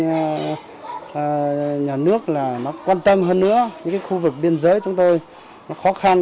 mong nhà nước quan tâm hơn nữa những khu vực biên giới chúng tôi khó khăn